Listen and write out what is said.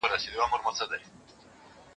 دا کیسه موږ ته را پاته له پېړیو